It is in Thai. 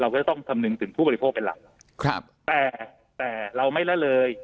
ก็ต้องคำนึงถึงผู้บริโภคเป็นหลักครับแต่แต่เราไม่ละเลย